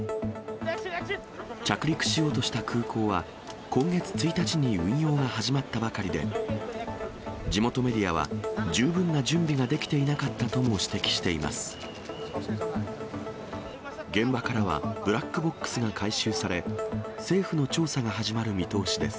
着陸しようとした空港は、今月１日に運用が始まったばかりで、地元メディアは、十分な準備ができていなかったとも指摘しています。